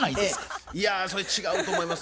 いやそれ違うと思います。